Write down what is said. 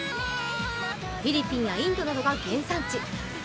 フィリピンやインドなどが原産地。